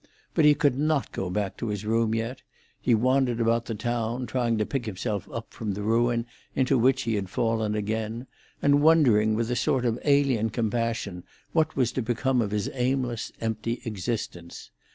But he could not go back to his room yet; he wandered about the town, trying to pick himself up from the ruin into which he had fallen again, and wondering with a sort of alien compassion what was to become of his aimless, empty existence.